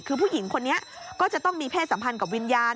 คือผู้หญิงคนนี้ก็จะต้องมีเพศสัมพันธ์กับวิญญาณ